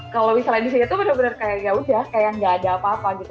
kalau misalnya di sini tuh bener bener kayak yaudah kayak gak ada apa apa gitu